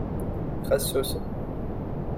Ɣas susem.